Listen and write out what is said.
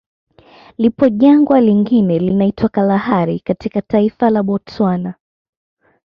Lipo Jangwa lingine linaitwa Kalahari katika taifa la Botswana